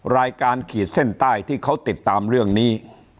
รายการขีดเส้นใต้ที่เขาติดตามเรื่องนี้